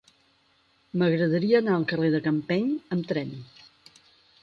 M'agradaria anar al carrer de Campeny amb tren.